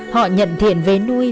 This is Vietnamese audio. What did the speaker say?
họ nhận thiện về nuôi